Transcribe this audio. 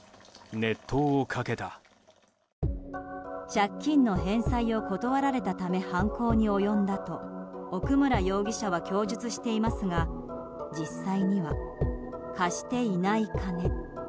借金の返済を断られたため犯行に及んだと奥村容疑者は供述していますが実際には貸していない金。